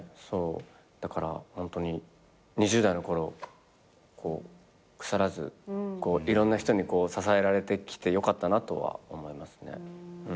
だからホントに２０代の頃腐らずいろんな人に支えられてきてよかったなとは思いますね。